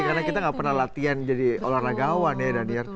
karena kita gak pernah latihan jadi olahragawan ya daniel